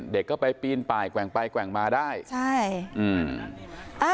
เด็กก็ไปปีนป่ายแกว่งไปแกว่งมาได้ใช่อืมอ่า